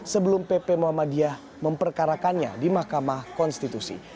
sebelum pp muhammadiyah memperkarakannya di mahkamah konstitusi